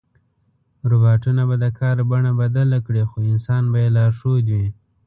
روباټونه به د کار بڼه بدله کړي، خو انسان به یې لارښود وي.